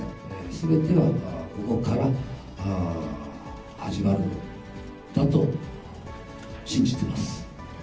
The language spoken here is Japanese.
すべてはここから始まるんだと信じてます。